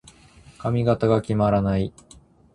髪型が決まらない。